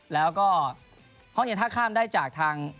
แล้วก็ห้องเย็นท่าข้ามได้จากทาง